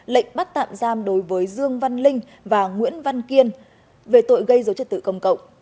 lệnh bắt tạm giam đối với dương văn linh và nguyễn văn kiên về tội gây dấu chất tử công cộng